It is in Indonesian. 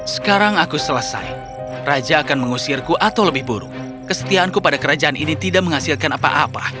sekarang aku selesai raja akan mengusirku atau lebih buruk kesetiaanku pada kerajaan ini tidak menghasilkan apa apa